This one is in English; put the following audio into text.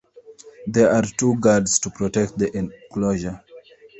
There are two guards to protect the exclosure.